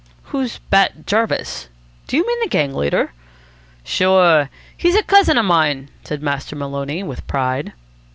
"Who's Bat Jarvis? Do you mean the gang leader?" "Sure. He's a cousin of mine," said Master Maloney with pride.